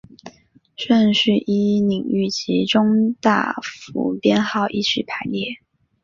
顺序依领域及中大服编号依序排列。